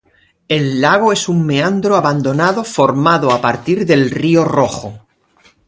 El lago es un meandro abandonado formado a partir del río Rojo.